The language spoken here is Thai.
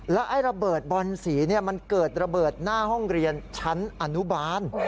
แล้วไอ้ระเบิดบอนสีมันเกิดระเบิดหน้าห้องเรียนชั้นอนุบาล